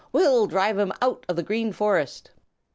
We'll drive him out of the Green Forest!"